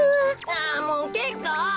あもうけっこう！